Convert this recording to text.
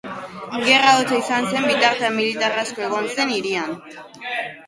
Gerra hotza izan zen bitartean militar asko egon zen hirian.